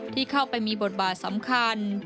ที่เข้าไปมีบทบาทสำคัญ